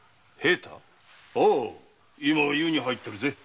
ああ今湯に入ってるぜ。